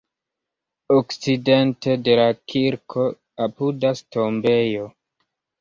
Okcidente de la kirko apudas tombejo.